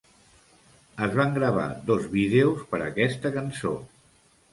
Es van gravar dos vídeos per aquesta cançó.